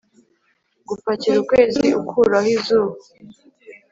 Gupakira ukwezi ukuraho izuba